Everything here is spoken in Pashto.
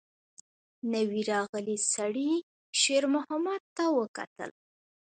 نوي راغلي سړي شېرمحمد ته وکتل.